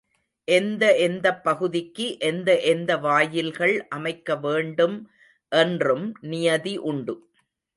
எந்த எந்தப் பகுதிக்கு எந்த எந்த வாயில்கள் அமைக்க வேண்டும் என்றும் நியதி உண்டு.